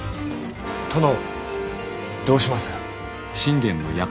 殿どうします？